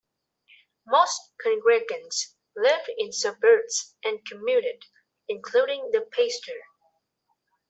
Most congregants lived in suburbs and commuted, including the pastor.